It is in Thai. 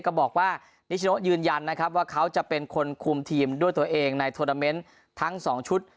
ก็บอกว่านิชโนยืนยันนะครับว่าเขาจะเป็นคนคุมทีมด้วยตัวเองในโทรนาเมนต์ทั้ง๒ชุด